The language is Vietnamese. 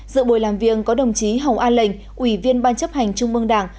dự buổi làm viên có đồng chí hồng an lệnh ủy viên ban chấp hành trung mương đảng